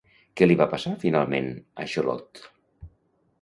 Què li va passar finalment a Xolotl?